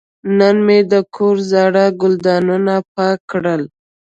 نن مې د کور زاړه ګلدانونه پاک کړل.